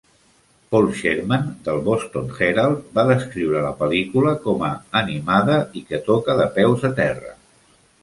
Paul Sherman del Boston Herald va descriure la pel·lícula com a "animada i que toca de peus a terra".